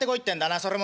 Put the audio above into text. それも何？